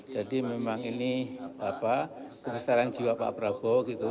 jadi memang ini apa kebesaran jiwa pak prabowo gitu